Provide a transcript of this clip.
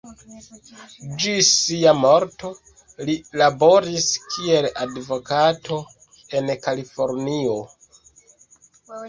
Ĝis sia morto, li laboris kiel advokato en Kalifornio.